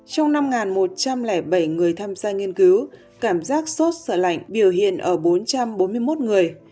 trong năm một trăm linh bảy người tham gia nghiên cứu cảm giác sốt sở lạnh biểu hiện ở bốn trăm bốn mươi một người